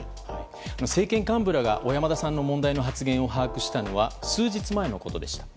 政権幹部らが小山田さんの問題の発言を把握したのは数日前のことでした。